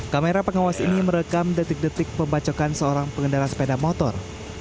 kamera pengawas ini merekam detik detik pembacokan seorang pengendara sepeda motor